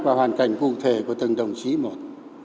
và hoàn cảnh cụ thể của từng đồng chí một